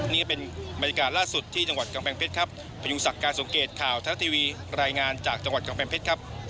นี่เป็นบรรยากาศล่าสุดที่จังหวัดกำแพงเพชรครับพยุงศักดิ์การสมเกตข่าวทะทีวีรายงานจากจังหวัดกำแพงเพชรครับ